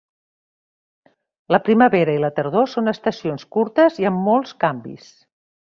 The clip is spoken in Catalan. La primavera i la tardor són estacions curtes i amb molts canvis.